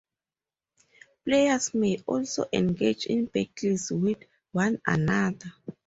Players may also engage in battles with one another.